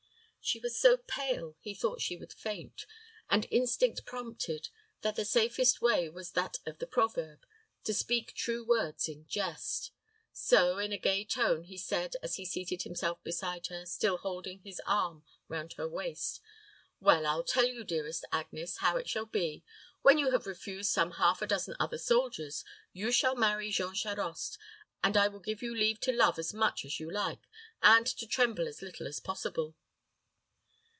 She was so pale, he thought she would faint; and instinct prompted that the safest way was that of the proverb to speak true words in jest. So, in a gay tone, he said, as he seated himself beside her, still holding his arm round her waist, "Well, I'll tell you, dearest Agnes, how it shall be. When you have refused some half a dozen other soldiers, you shall marry Jean Charost; and I will give you leave to love as much as you like, and to tremble as little as possible."